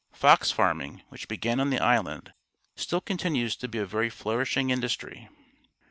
Fox farming, which began on the island, still continues to be a very flourishing industry.